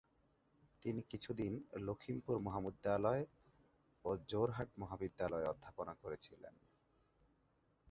তিনি কিছুদিন লখিমপুর মহাবিদ্যালয় ও যোরহাট মহাবিদ্যালয়ে অধ্যাপনা করেছিলেন।